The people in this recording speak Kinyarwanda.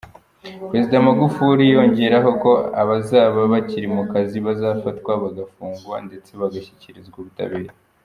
Perezida Magufuli yongeraho ko abazaba bakiri mu kazi bazafatwa bagafungwa ndetse bagashyikirizwa ubutabera.